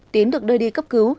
tín được đưa đi cấp cứu